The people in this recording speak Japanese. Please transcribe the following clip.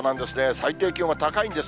最低気温が高いんです。